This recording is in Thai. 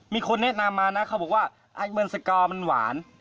มีคนแนะนำมานะเขาบอกว่าไอ้มันสกอร์มันหวาน